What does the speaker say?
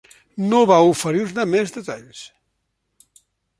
No va oferir-ne més detalls.